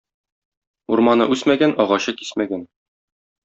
Урманы үсмәгән, агачы кисмәгән.